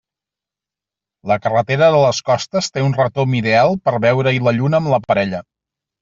La carretera de les Costes té un retomb ideal per veure-hi la lluna amb la parella.